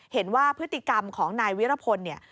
เห็นว่าพฤติกรรมของนายวิรพลเนี่ย